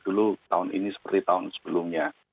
tidak usah mudik dulu tahun ini seperti tahun sebelumnya